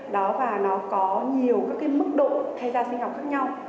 đó và nó có nhiều các cái mức độ thay da sinh học khác nhau